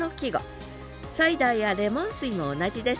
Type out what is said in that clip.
サイダーやレモン水も同じです。